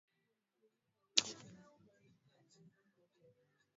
Si vizuri wewe, usilipe kisasi, wajibu kwa wema.